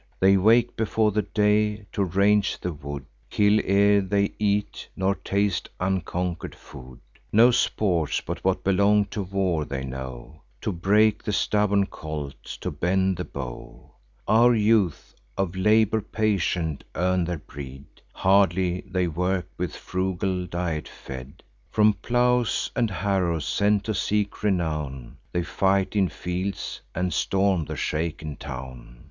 They wake before the day to range the wood, Kill ere they eat, nor taste unconquer'd food. No sports, but what belong to war, they know: To break the stubborn colt, to bend the bow. Our youth, of labour patient, earn their bread; Hardly they work, with frugal diet fed. From plows and harrows sent to seek renown, They fight in fields, and storm the shaken town.